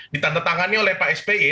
ditandatangani oleh pak spi